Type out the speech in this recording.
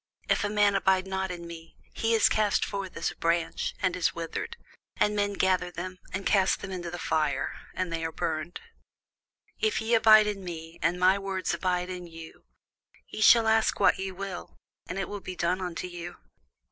If a man abide not in me, he is cast forth as a branch, and is withered; and men gather them, and cast them into the fire, and they are burned. If ye abide in me, and my words abide in you, ye shall ask what ye will, and it shall be done unto you.